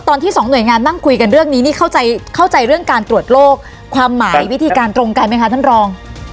ตอนที่สองหน่วยงานนั่งคุยกันเรื่องนี้นี่เข้าใจเข้าใจเรื่องการตรวจโรคความหมายวิธีการตรงกันไหมคะท่านรอง